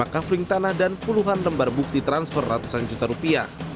lima kafling tanah dan puluhan lembar bukti transfer ratusan juta rupiah